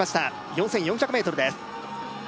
４４００ｍです